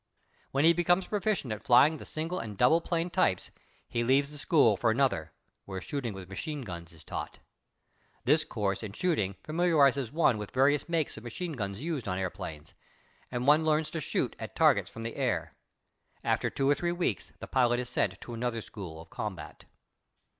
When he becomes proficient in flying the single and double plane types he leaves the school for another, where shooting with machine guns is taught. This course in shooting familiarizes one with various makes of machine guns used on airplanes, and one learns to shoot at targets from the air. After two or three weeks the pilot is sent to another school of combat.